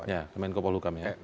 ya ke menkopol hukam ya